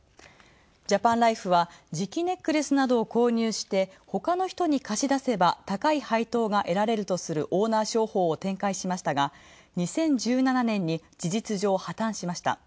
ジャパンライフは、磁気ネックレスなどを購入して他の人に貸し出せば高い配当が得られるとするオーナー商法を展開しましたが、２０１７年に事実上、破綻しました。